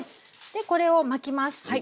これを巻きます。